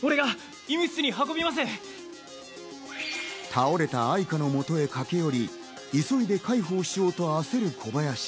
倒れたアイカの元へ駆け寄り、急いで介抱しようと焦る小林。